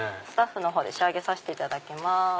スタッフのほうで仕上げさせていただきます。